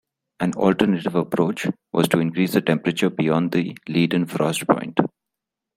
An alternative approach was to increase the temperature beyond the Leidenfrost point.